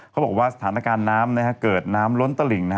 เขาบอกว่าสถานการณ์น้ำเกิดน้ำล้นตลิ่ง